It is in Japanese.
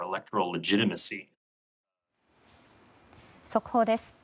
速報です。